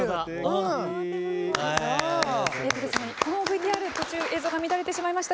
このＶＴＲの途中、映像が乱れてしまいました。